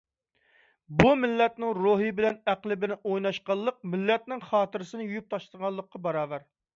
بۇ مىللەتنىڭ روھى بىلەن، ئەقلى بىلەن ئويناشقانلىق، مىللەتنىڭ خاتىرىسىنى يۇيۇپ تاشلىغانلىققا باراۋەر.